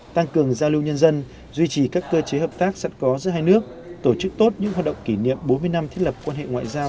tăng cường giao lưu nhân dân duy trì các cơ chế hợp tác sẵn có giữa hai nước tổ chức tốt những hoạt động kỷ niệm bốn mươi năm thiết lập quan hệ ngoại giao